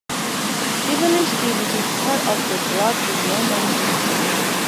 Eveleigh Street, which is part of 'The Block', is well known for its community.